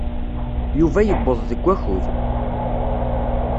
Yuba yuweḍ deg wakud.